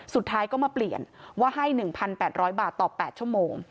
สุดท้ายก็มาเปลี่ยนว่าให้๑๘๐๐บาทต่อ๘ชั่วโมง